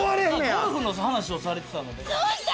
ゴルフの話をされてたので。